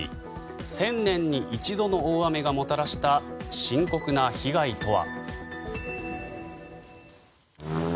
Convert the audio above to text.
１０００年に一度の大雨がもたらした深刻な被害とは。